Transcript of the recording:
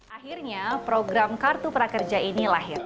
akhirnya program kartu prakerja ini lahir